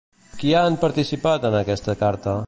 Qui han participat en aquesta carta?